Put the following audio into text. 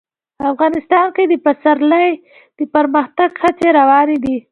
افغانستان کې د پسرلی د پرمختګ هڅې روانې دي.